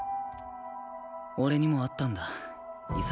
俺にもあったんだ潔。